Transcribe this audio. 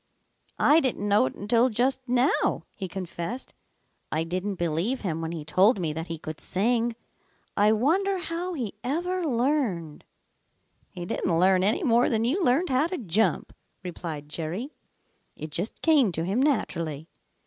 "I didn't know it until just how," he confessed. "I didn't believe him when he told me that he could sing. I wonder how he ever learned." "He didn't learn any more than you learned how to jump," replied Jerry. "It just came to him naturally.